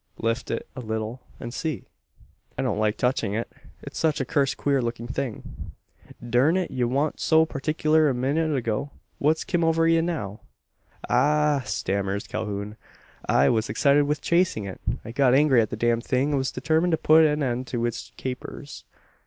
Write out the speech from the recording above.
"Lift it a leetle, an see." "I don't like touching it. It's such a cursed queer looking thing." "Durn it, ye wan't so partickler a minnit ago. What's kim over ye now?" "Ah!" stammers Calhoun, "I was excited with chasing it. I'd got angry at the damned thing, and was determined to put an end to its capers."